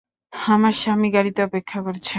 আমার স্বামী গাড়িতে অপেক্ষা করছে।